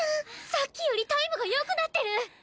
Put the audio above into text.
さっきよりタイムがよくなってる！